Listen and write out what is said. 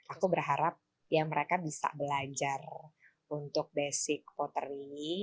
aku berharap ya mereka bisa belajar untuk basic pottery